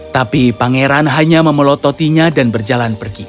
tapi pangeran hanya memelototinya dan berjalan pergi